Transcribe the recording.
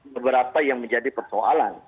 beberapa yang menjadi persoalan